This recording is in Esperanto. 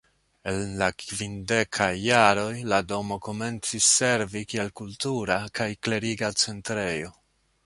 En la kvindekaj jaroj la domo komencis servi kiel kultura kaj kleriga centrejo.